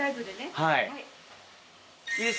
はい。